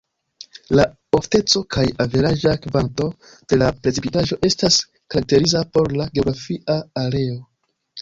La ofteco kaj averaĝa kvanto de la precipitaĵo estas karakteriza por la geografia areo.